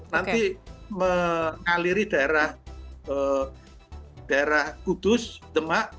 nanti mengaliri daerah kudus demak